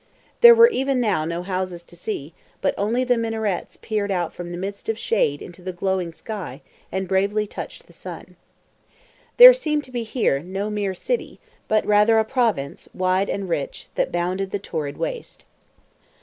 There were even now no houses to see, but only the minarets peered out from the midst of shade into the glowing sky, and bravely touched the sun. There seemed to be here no mere city, but rather a province wide and rich, that bounded the torrid waste.